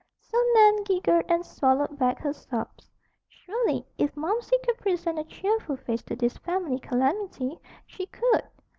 So Nan giggled and swallowed back her sobs. Surely, if Momsey could present a cheerful face to this family calamity, she could!